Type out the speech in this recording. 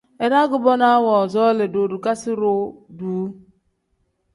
Iraa kubonaa woozooli doorikasi-ro duuu.